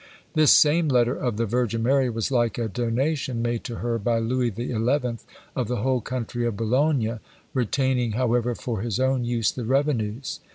This same letter of the Virgin Mary was like a donation made to her by Louis the Eleventh of the whole county of Boulogne, retaining, however, for his own use the revenues!